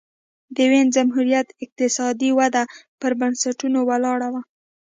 د وینز جمهوریت اقتصادي وده پر بنسټونو ولاړه وه.